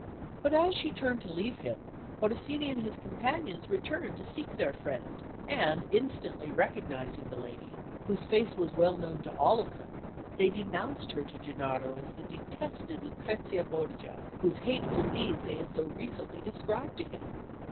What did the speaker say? But as she turned to leave him, Orsini and his companions returned to seek their friend; and instantly recognising the lady, whose face was well known to all of them, they denounced her to Gennaro as the detested Lucrezia Borgia, whose hateful deeds they had so recently described to him.